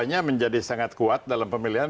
karena menjadi sangat kuat dalam pemilihan